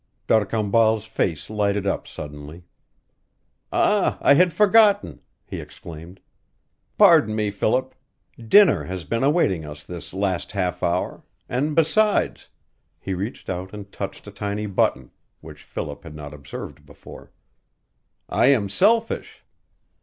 D'Arcambal's face lighted up suddenly. "Ah, I had forgotten," he exclaimed. "Pardon me, Philip. Dinner has been awaiting us this last half hour; and besides " He reached out and touched a tiny button, which Philip had not observed before. "I am selfish."